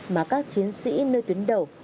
mà các chiến sĩ nơi tuyến đầu